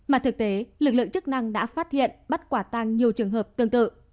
mà thực tế lực lượng chức năng đã phát hiện bắt quả tăng nhiều trường hợp tương tự